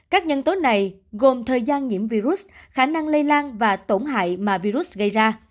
các nhân tố này gồm thời gian nhiễm virus khả năng lây lan và tổn hại mà virus gây ra